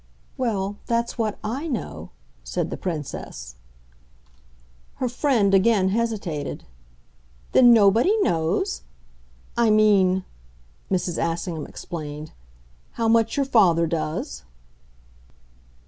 "Well that's what I know," said the Princess. Her friend again hesitated. "Then nobody knows ? I mean," Mrs. Assingham explained, "how much your father does."